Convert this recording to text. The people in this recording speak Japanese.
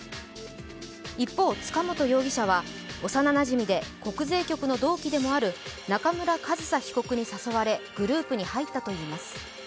一方、塚本容疑者は、幼なじみで国税局の同期でもある中村上総被告に誘われ、グループに入ったといいます。